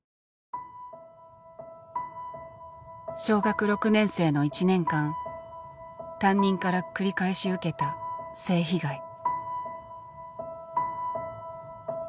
小学６年生の１年間担任から繰り返し受けた性被害。